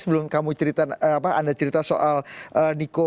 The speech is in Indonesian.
sebelumnya juga jadinya